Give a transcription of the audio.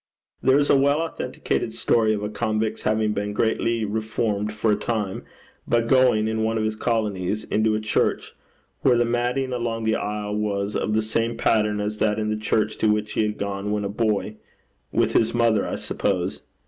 There is a well authenticated story of a convict's having been greatly reformed for a time, by going, in one of the colonies, into a church, where the matting along the aisle was of the same pattern as that in the church to which he had gone when a boy with his mother, I suppose.